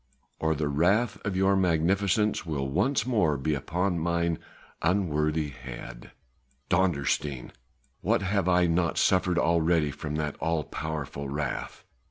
"Or the wrath of your Magnificence will once more be upon mine unworthy head. Dondersteen! what have I not suffered already from that all powerful wrath!"